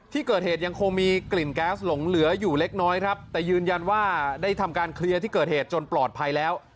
ที่เกิดเหตุยังคงมีกลิ่นแก๊สหลงเหลืออยู่เล็กน้อยครับแต่ยืนยันว่าได้ทำการเคลียร์ที่เกิดเหตุจนปลอดภัยแล้ว